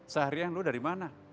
saharian lu dari mana